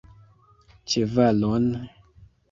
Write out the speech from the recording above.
Ĉevalon!